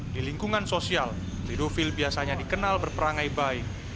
di lingkungan sosial pedofil biasanya dikenal berperangai baik